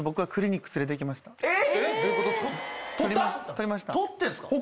取りました。